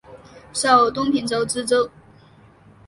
授东平州知州。